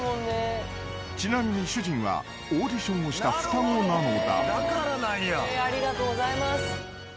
［ちなみに主人はオーディションをした双子なのだ］